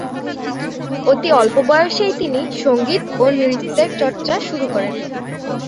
অতি অল্প বয়সেই তিনি সংগীত ও নৃত্যের চর্চা শুরু করেন।